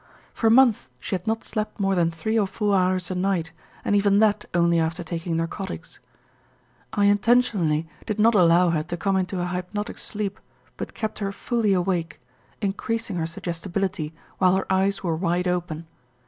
For months she had not slept more than three or four hours a night and even that only after taking narcotics. I intentionally did not allow her to come into a hypnotic sleep but kept her fully awake, increasing her suggestibility while her eyes were wide open.